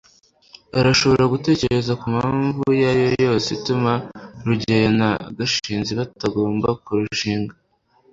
urashobora gutekereza ku mpamvu iyo ari yo yose ituma rugeyo na gashinzi batagomba kurushinga? (ck